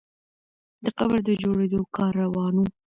د قبر د جوړېدو کار روان وو.